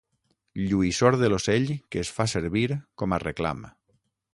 Lluïssor de l'ocell que es fa servir com a reclam.